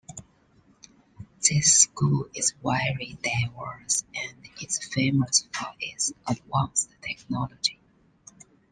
This school is very diverse and is famous for its advanced technology.